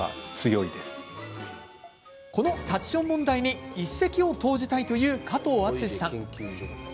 この立ちション問題に一石を投じたいという加藤篤さん。